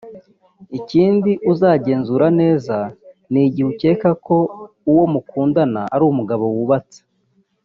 Ikindi uzagenzura neza igihe ukeka ko uwo mukundana ari umugabo wubatse